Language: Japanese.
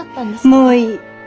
もういい。